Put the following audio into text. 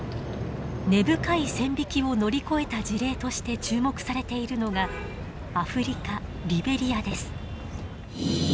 根深い線引きを乗り越えた事例として注目されているのがアフリカリベリアです。